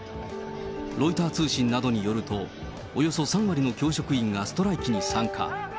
ロイター通信などによると、およそ３割の教職員がストライキに参加。